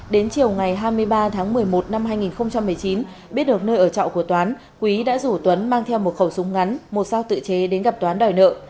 đến chiều ngày hai mươi ba tháng một mươi một năm hai nghìn một mươi chín biết được nơi ở trọ của toán quý đã rủ tuấn mang theo một khẩu súng ngắn một sao tự chế đến gặp toán đòi nợ